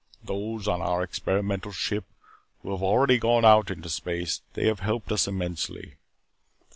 Those on our experimental ship who have already gone out into space, they have helped us immensely.